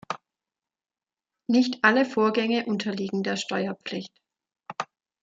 Nicht alle Vorgänge unterliegen der Steuerpflicht.